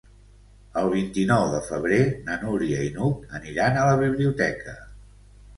El vint-i-nou de febrer na Núria i n'Hug aniran a la biblioteca.